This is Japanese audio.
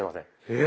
え⁉